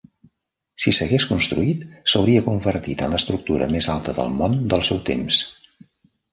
Si s'hagués construït, s'hauria convertit en l'estructura més alta del món del seu temps.